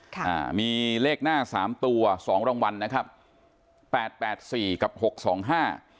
อ่ามีเลขหน้าสามตัวสองรางวัลนะครับแปดแปดสี่กับหกสองห้า